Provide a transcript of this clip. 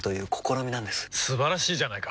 素晴らしいじゃないか！